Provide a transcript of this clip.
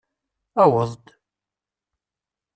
Aweḍ-d!